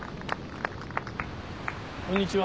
こんにちは。